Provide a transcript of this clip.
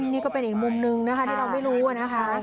นี่ก็เป็นอีกมุมนึงนะคะที่เราไม่รู้นะคะ